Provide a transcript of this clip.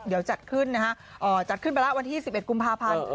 เดี๋ยวจัดขึ้นนะฮะจัดขึ้นไปแล้ววันที่๑๑กุมภาพันธ์